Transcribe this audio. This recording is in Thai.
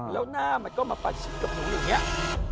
แล้วหน้ามันก็มาประชิดกับหนูอย่างนี้